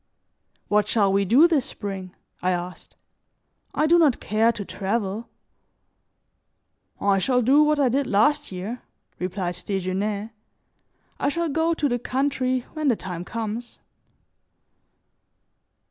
"What shall we do this spring?" I asked. "I do not care to travel." "I shall do what I did last year," replied Desgenais. "I shall go to the country when the time comes."